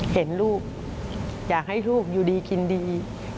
เห็นลูกอยากให้ลูกอยู่ดีกินดี